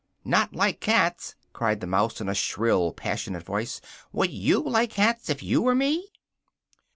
"Not like cats!" cried the mouse, in a shrill, passionate voice, "would you like cats if you were me?"